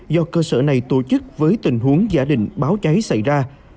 do cơ sở này tổ chức với tình huống giả định báo cháy xảy ra